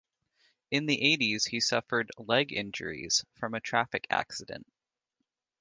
In the eighties he suffered leg injuries from a traffic accident.